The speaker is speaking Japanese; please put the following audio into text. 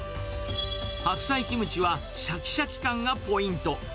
白菜キムチはしゃきしゃき感がポイント。